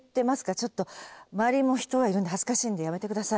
ちょっと周りも人がいるんで恥ずかしいんでやめてください。